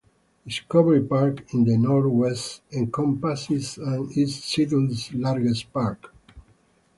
Discovery Park, in the northwest, encompasses and is Seattle's largest park.